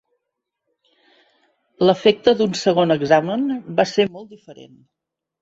L'efecte d'un segon examen va ser molt diferent.